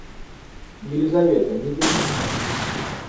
Елизавета, не дури.